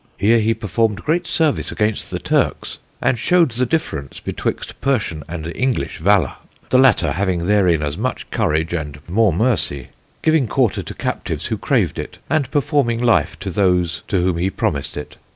Here he performed great Service against the Turkes, and shewed the difference betwixt Persian and English Valour; the latter having therein as much Courage, and more Mercy, giving Quarter to Captives who craved it, and performing Life to those to whom he promised it.